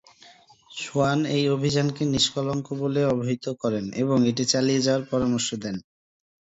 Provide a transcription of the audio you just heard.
Schwann এই অভিযানকে "নিষ্কলঙ্ক" বলে অভিহিত করেন এবং এটি চালিয়ে যাওয়ার পরামর্শ দেন।